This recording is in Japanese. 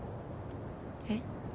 えっ？